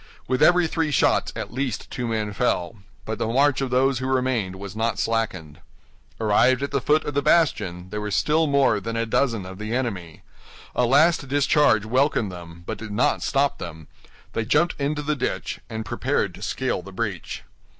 With every three shots at least two men fell; but the march of those who remained was not slackened. Arrived at the foot of the bastion, there were still more than a dozen of the enemy. A last discharge welcomed them, but did not stop them; they jumped into the ditch, and prepared to scale the breach.